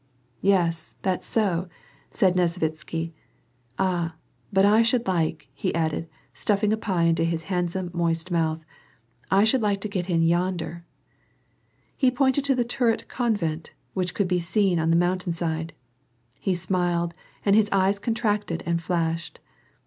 " Yes, that's so," said Nesvitsky. " Ah I but what I should like," he added, stuffing a pie into his handsome moist mouth, I should like to get in yonder !" He pointed to the turreted convent which could be seen on the mountain side. He smiled, and his eyes contracted and flashed.